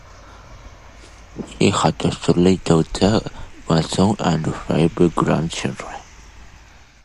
He had three daughters, one son, and five grandchildren.